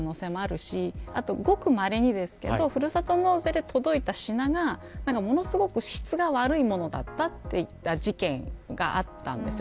しごくまれにふるさと納税で届いた品がものすごく質が悪いものだったといった事件とかがあったんですよ。